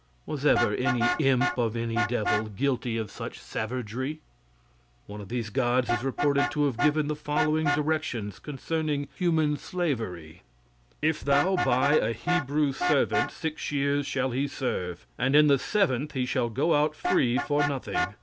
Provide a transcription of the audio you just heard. Was ever any imp of any devil guilty of such savagery? One of these gods is reported to have given the following directions concerning human slavery: "If thou buy a Hebrew servant six years shall he serve, and in the seventh he shall go out free for nothing.